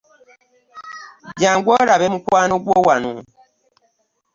Gyangu olabe mukwano gwo wano.